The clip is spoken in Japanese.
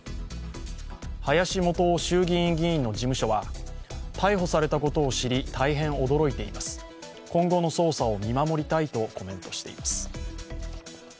林幹雄衆議院議員の事務所は逮捕されたことを知り大変驚いています、今後の捜査を見守りたいとコメントしています。